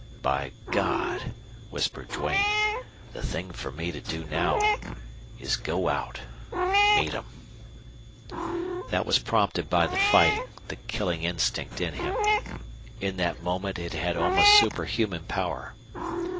"By God!" whispered Duane, "the thing for me to do now is go out meet them!" That was prompted by the fighting, the killing instinct in him. In that moment it had almost superhuman power.